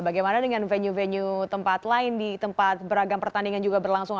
bagaimana dengan venue venue tempat lain di tempat beragam pertandingan juga berlangsung